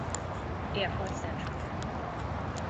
Air Force Central